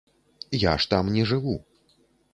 Я ж там не жыву.